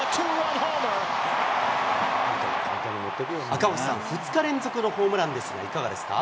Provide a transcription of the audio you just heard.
赤星さん、２日連続のホームランですが、いかがですか。